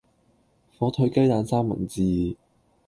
火腿雞蛋三文治